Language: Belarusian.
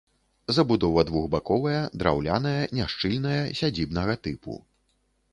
Забудова двухбаковая, драўляная, няшчыльная, сядзібнага тыпу.